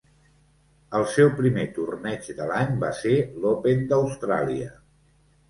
El seu primer torneig de l'any va ser l'Open d'Austràlia.